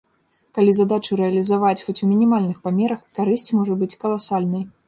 Калі задачу рэалізаваць хоць у мінімальных памерах, карысць можа быць каласальнай.